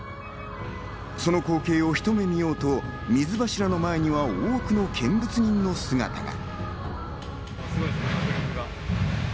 その光景をひと目見ようと、水柱の前には多くの見物人の姿が。